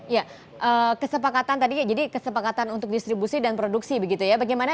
ya kesepakatan tadi jadi kesepakatan untuk distribusi dan produksi begitu ya